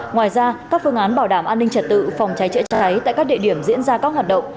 ngoài ra các phương án bảo đảm an ninh trật tự phòng cháy chữa cháy tại các địa điểm diễn ra các hoạt động